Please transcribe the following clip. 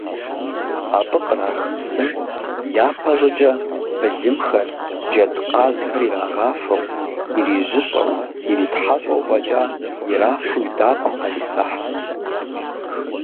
Абы кърах псым, япэ щӏыкӏэ, былымхэр, джэдкъазхэр ирагъафэу, ирижьыщӏэу, иритхьэщӏэу фӏэкӏа ирафу идакъым ӏэлисахь.